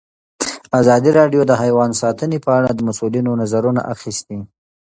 ازادي راډیو د حیوان ساتنه په اړه د مسؤلینو نظرونه اخیستي.